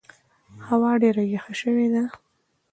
هوا ډېره یخه سوې ده.